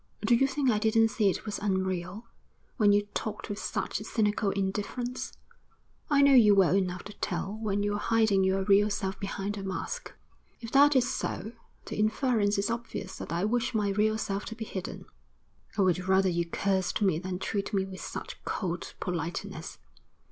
Do you think I didn't see it was unreal, when you talked with such cynical indifference? I know you well enough to tell when you're hiding your real self behind a mask.' 'If that is so, the inference is obvious that I wish my real self to be hidden.' 'I would rather you cursed me than treat me with such cold politeness.'